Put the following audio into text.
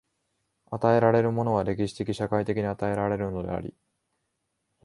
与えられるものは歴史的・社会的に与えられるのであり、